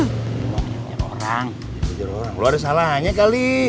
kejar orang lu ada salahannya kali